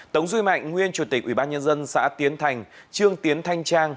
tống duy mạnh nguyên chủ tịch ubnd xã tiến thành trương tiến thanh trang